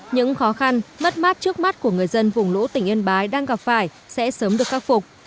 những khó khăn mất mát trước mắt của người dân vùng lũ tỉnh yên bái đang gặp phải sẽ sớm được khắc phục